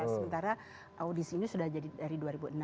sementara audisi ini sudah jadi dari dua ribu enam